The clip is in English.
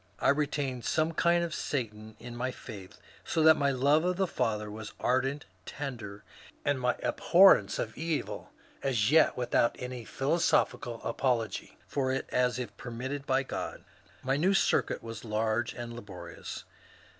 I retained some kind of Satan in my faith, so that my love of the Father was ardent, tender, and my abhorrence of evil as yet without any philosophical apology for it as if permitted by God. My new circuit was large and laborious.